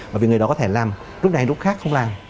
bởi vì người đó có thể làm lúc này lúc khác không làm